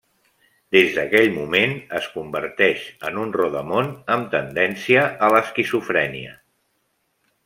Des d'aquell moment es converteix en un rodamón amb tendència a l'esquizofrènia.